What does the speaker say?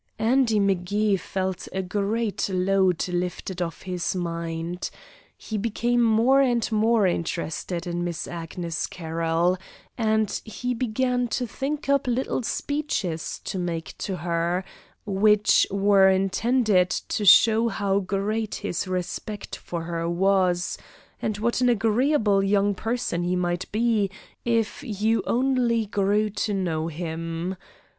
Andy M'Gee felt a great load lifted off his mind. He became more and more interested in Miss Agnes Carroll, and he began to think up little speeches to make to her, which were intended to show how great his respect for her was, and what an agreeable young person he might be if you only grew to know him.